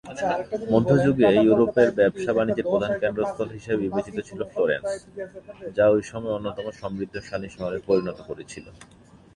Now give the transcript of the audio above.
মধ্যযুগে ইউরোপের ব্যবসা-বাণিজ্যের প্রধান কেন্দ্রস্থল হিসেবে বিবেচিত ছিল ফ্লোরেন্স, যা ঐ সময়ে অন্যতম সমৃদ্ধশালী শহরে পরিণত করেছিল।